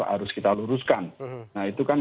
harus kita luruskan nah itu kan